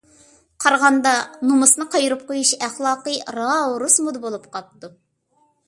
قارىغاندا، نومۇسنى قايرىپ قويۇش ئەخلاقى راۋۇرۇس مودا بولۇپ قاپتۇ.